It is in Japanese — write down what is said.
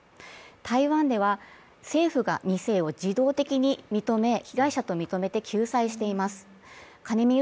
台湾では政府が二世を自動的に被害者と認めて救済しています。